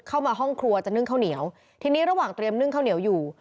ห้องครัวจะนึ่งข้าวเหนียวทีนี้ระหว่างเตรียมนึ่งข้าวเหนียวอยู่